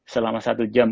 selama satu jam